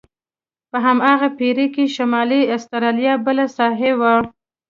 په هماغه پېړۍ کې شمالي استرالیا بله ساحه وه.